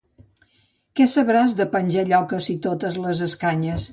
Què sabràs de penjar lloques si totes les escanyes.